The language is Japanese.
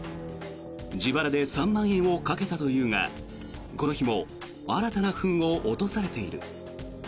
自腹で３万円をかけたというがこの日も新たなフンを落とされている。